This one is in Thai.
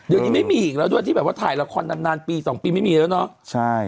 เดี๋ยวนี้ไม่มีอีกแล้วด้วยที่แบบว่าถ่ายละครนานปี๒ปีไม่มีแล้วเนาะ